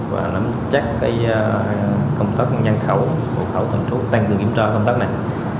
và nắm chắc công tác nhân khẩu khẩu tầm trúc tăng cường kiểm tra công tác này